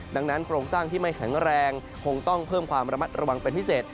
ดังนั้นโครงสร้างที่ไม่แข็งแรงคงต้องเพิ่มความระมัดระวังเป็นพิเศษ